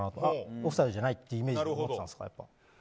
オフサイドじゃないというイメージだったんですか。